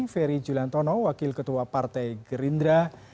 ferry juliantono wakil ketua partai gerindra